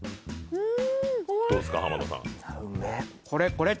うん。